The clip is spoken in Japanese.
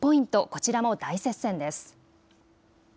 こちらも大接戦です。